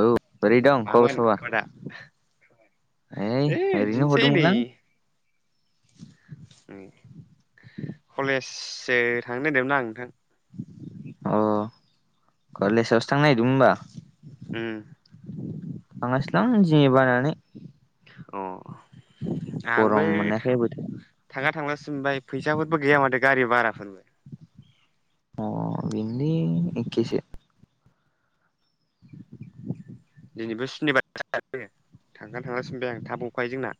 औ बोरै दं खबर मामोन सबर? खदा ओइ ओरैनो बिदिनोसै नै हरदोंमोनलां। खलेजसो थांनो नागिरदोंमोन आं नोंथां। अ कलेजावसो थांनो नागिरदोंमोन होनबा? उम थाङासै लां दिनै बानानै। अह। आंबो गरम मोननायखाय बोथोरा थाङा थांलासो सो मोनबाय, फैसाफोरबो गैया माथो गारि भाराफोरबो। अह, बेनोलै एखेसो। दिनैबो सुनिबार [unintelligible] थांगोन थांलासो सानबाय आं थाब गखायो जोंना।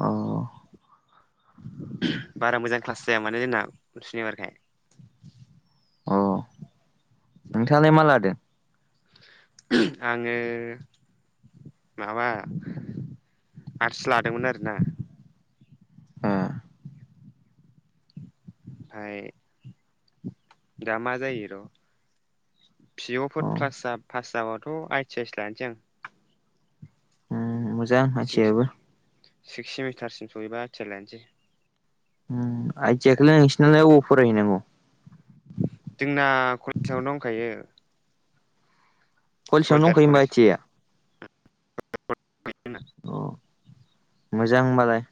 अह। बारा मोजां क्लास जाया माने जोंना सुनिबारखाय। अह नोंथाङालाय मा लादों? आङो माबा आर्टस लादोंमोन आरोना। ए आमफाय दा मा जायो र' फि अ फोर प्लास जा पास जाबाथ' आइ थि आइ सो लानोसै आं। ओम मोजां हाथियायाबो सिक्स सेमिटारसिम सहैबा आइ ति आइ लानोसै ओम आय थि आइ खोलाय नोंसिना अबाव फाराय हैनांगौ जोंना कलेजयावनो दंखायो कलेजआवनो सयदार दंखायो होमबा कलेज आइ ति आइ आ [unintelligible] मोजां होनबालाय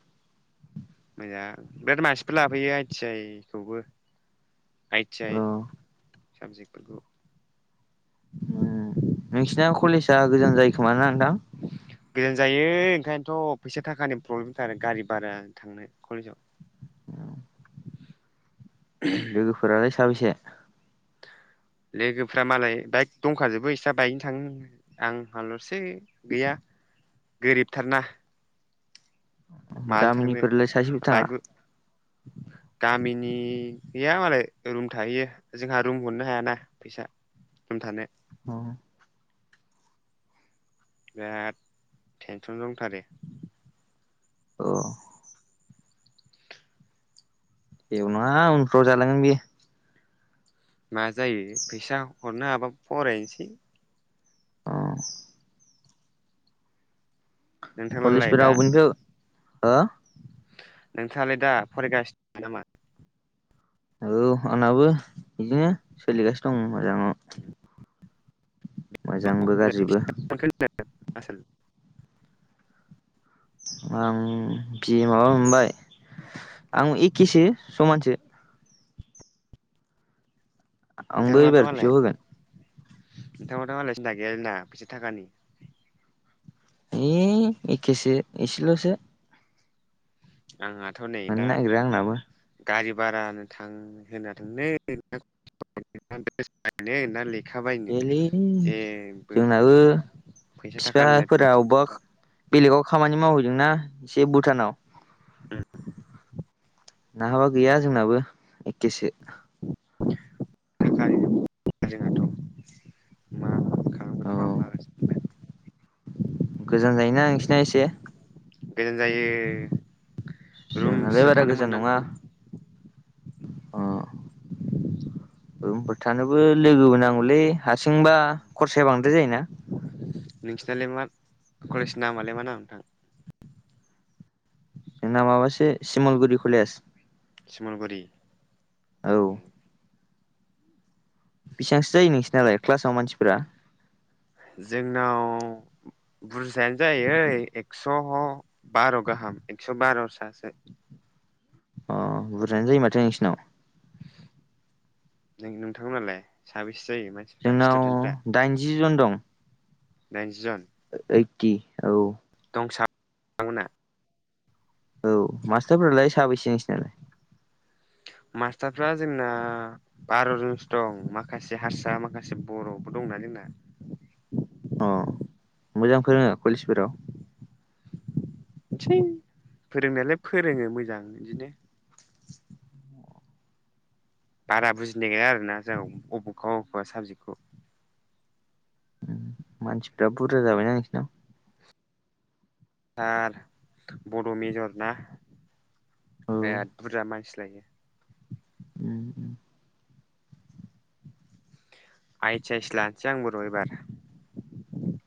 मोजां बिराद मानसिफोर लाफैयो आइ टि आइ खौबो आइ ति अ आइ साबजेक्टफोरखौ उम नोंसिना कलेजआ गोजान जायो खोमा ना नोंथां? गोजान जायो ओंखायनोथ फैसा थाखानि प्रब्लेमथार गारि भारा थांनो कलेजाव लोगोफोरालाय साबैसे लोगोफोरा मालाय बाइक दंखाजोबो इस्रा बाइकजों थाङो आं हालसो गैया गोरिबथारना माजों थांनो गामिनिफोरलाय सासेबो बाइक थाङा? गामिनि गैया मालाय रुम थाहैयो जोंहा रुम हरनो हायाना फैसा रुम थानो अ बिराद टेनसन दंथारो अ जेबो नङा उनफ्राव जालांगोन बियो मा जायो फैसा हरनो हाबा फरायनोसै अ नोंथांनालाय कलेजफोर दा रावबोनिखौ हो नोंथाङालाय दा फरायगासिनो नामा? औ आंनाबो बिदिनो सोलिगासिनो दं मोजाङाव गाज्रिबो [unintelligible] आंखि बिए माबा मोनबाय आं एखेसो समानसो आंबो नोंथांनाथ' एबार पि मालाय अ होगोन [unintelligible] मालाय सिन्था गैया [unintelligible] फैसा थाखानि ए एखेसो एसेलसो आंहाथ नै मोननो दा नागिरा आंनाबो गारि भारानो थां होना ना [unintelligible] देलै जेबो जोंनाबो फैसा थाखानिनो बिफाफोरा अबबा टेनसनथार बेलेगाव खामानि मावहैदोंना एसे भुटानाव ओम नङाबा गैया जोंनाबो एखेसो [unintelligible] जोंनाथ मा खालामगोन मा मागोनसो औ मोनबाय आं गोजान जायोना नोंसिना एसे गोजान जायो जोंनालाय रुमसो बारा थानो गोजान नङा मोननांगोमोन अ रुमफोर थानोबो लोगोबो नांगौलै हारसिंबा खरसाया बांद्राय जायोना नोंसिनालाय मा कलेजनि नामआलाय मा नाम नोंथां जोंना माबासो सिमलगुरि खलेस समलगुरि बेसेबांसो जायो नोंसोर नालाय क्लासाव मानसिफोरा जोंनाव बुरजायानो जाय एक्सबार गाहाम एक्स बार' सासो अ बुरजायानो जायो माथो नोंसिनाव नों नोंथां नालाय साबेसे जायो मानसिफ्रा जोंनाव स्टुडेन्टफ्रा दाइनजि जन दं दाइनजि जन ओइदति औ [unintelligible] औ मास्टारफोरालाय साबैसे नोंसनालाय मास्टारफ्रा जोंना बार'जनसो दं माखासे हारसा माखासे बर'बो दं। [unintelligible] अ मोजां फोरोङो कलेजफोराव? [unintelligible] फोरोंनायालाय फोरोङो मोजां इदिनो बारा बुजिनाया आरोना जों अबख अबेबा साबजेक्टखौ [unintelligible] मानसिफ्रा बुरजा जाबायना नोंसिनाव [unintelligible] बड' मेजर ना औ बिराद बुरजा मानसि [unintelligible] [unintelligible] आइ ति आइसो लानसै आंबो र' एबार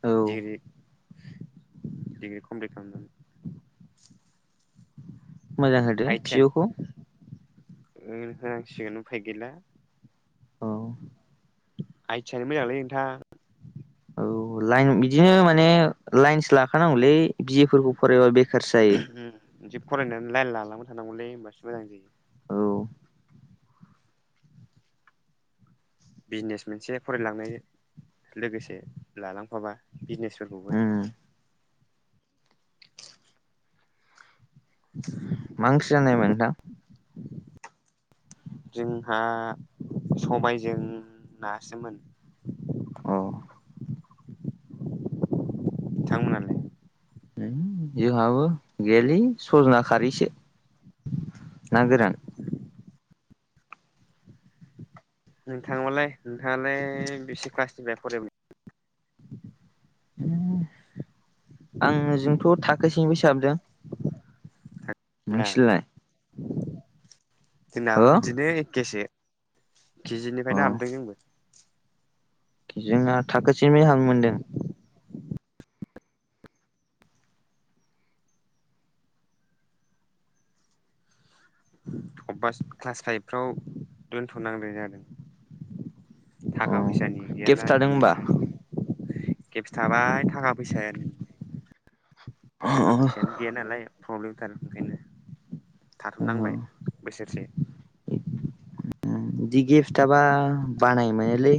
औ दिरि बि ए कमप्लित खालामनानै मोजां होदो फिय'खौ ओ होनांसिगोन उफाय गैला। औ आइथियानो मोजांलै नोंथां औ लाइन बिदिनो माने लाइन्स लाखानांगौलै बिएफोरखौ फरायबा बे। सासृ जायो बिदि फरायनानै लाइन लालांबाय थानांगौलै होमबासो मोजां जायो। औ बिजनेस मोनसे फरायलांनाय लोगोसे लालांफाबा बिजनेसफोरखौबो उम [unintelligible] मा ओंख्रि जानायमोन नोंथां? जोंहा सबायजों नासोमोन। अ [unintelligible] [unintelligible] जोंहाबो गैयालै सज'ना खारैसो। ना ए गोरान। नोंथाङोबालाय नोंथाङालाय बेसे क्लासनिफ्राय फराय आङो जोंथ' थाखोसेनि फायसो हाबदों। ना [unintelligible] हो जोंनाबो बिदिनो एकेसो। अ केजिनिफायनो हाबदों जोंबो। [unintelligible] अबबा क्लास फाइभफ्राव दोनथ'नांदों जादों। अ थाखा फैसानि गेप्स गैयाना थादों होमबा एदमिसन सम खेबसे थाबाय थाखा फैसायान थाखा फैसायानो गैया नालाय प्रब्लेमथार ओंखायनो थाथ'नांबाय बोसोरसे [unintelligible] इदि गेफस थाबा बानाय मोनोलै।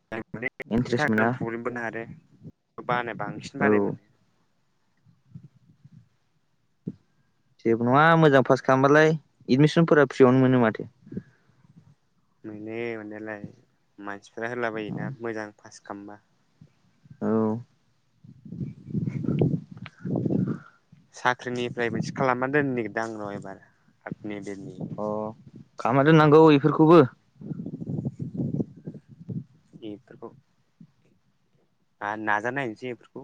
[unintelligible] इन्ट्रेस्ट मोना प्रब्लेम बोना आरो। बानाय बांसिन औ बानाय मोनो। जेबो नङा मोजां पास खालामबालाय एडमिसनफोरा फ्रियावनो मोनो माथो मोनो मोननायालाय मानसिफ्रा होलाबायोना मोजां पास खामबा औ साख्रिनिफ्राय मोनसे खालामना दोननो नागिरदां आं एबार आगनिबिर अ खालामना दोननांगौ बेफोरखौबो [unintelligible] बेफोरखौ आरो नाजानायनोसै बेफोरखौ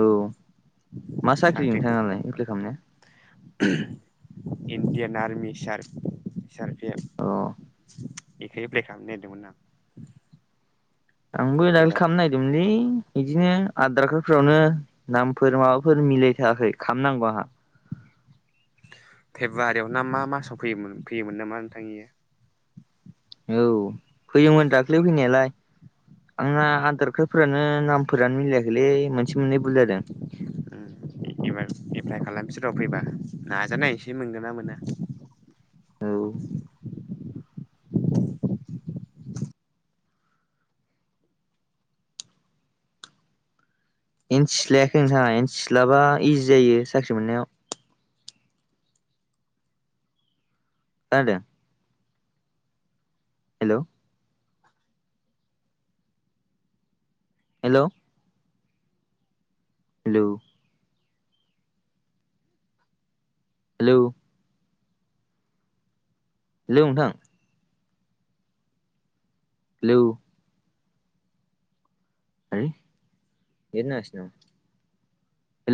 औ मा साख्रि नोंथाङा साख्रिफोरखौ नालाय एप्लाइ खालामनाया इण्डियान आर्मि सार सि आर सि अ एफ इखो एप्लाय खालामनो नागिरदोंमोन आं आंबो दाखलि एबार खालामनो नागिरदोंमोनलै बिदिनो आधार कार्डफोरावनो नामफोर माबाफोर मिलायथाराखै खालाम नांगौ आंहा [unintelligible] फेब्रुवारियाव ना मा मासाव फैयोमोन फैयोमोन नामा नोंथां इयो औ फैयोमोन दाखलै फैनायालाय आंना इयो आदार खार फोरानो नामफोरानो मिलायाखैलै मोनसे मोननै बुल जादों बिसोराव फैबा नाजानाय नायसै मोनगोन ना मोना औ एन सि लायाखै नोंथाङा एन सि लाबा इजि जायो साख्रि मोननायाव खोनादों hello hello hello hello hello नोंथां हेलौ होइ नेट नांआसै नामा